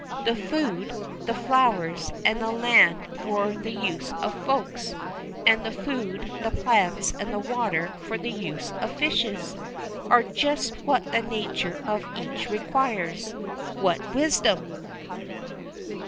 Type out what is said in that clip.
The food, the flowers, and the land for the use of Folks, and the food, the plants, and the water for the use of fishes, are just what the nature of each requires. What wisdom!